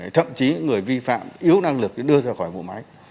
thậm chí người vi phạm yếu năng lực đưa ra khỏi ngũ máy